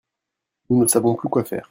Nous ne savons plus quoi faire.